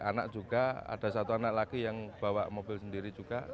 anak juga ada satu anak lagi yang bawa mobil sendiri juga